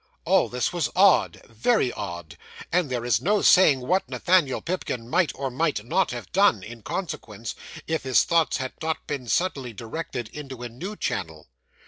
All this was odd very odd and there is no saying what Nathaniel Pipkin might or might not have done, in consequence, if his thoughts had not been suddenly directed into a new channel.